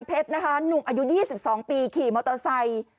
หนุ่มอายุ๒๒ปีขี่มอเตอร์ไซค์